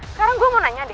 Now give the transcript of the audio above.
sekarang gue mau nanya deh